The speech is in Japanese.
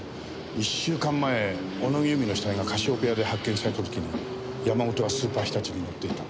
１週間前小野木由美の死体がカシオペアで発見された時に山本はスーパーひたちに乗っていた。